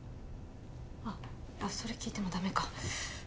あっそれ聞いてもダメか